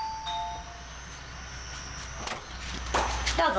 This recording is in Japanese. ・どうぞ！